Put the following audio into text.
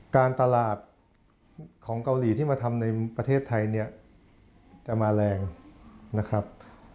การตลาดของเกาหลีที่มาทำในประเทศไทยเนี่ยจะมาแรงนะครับ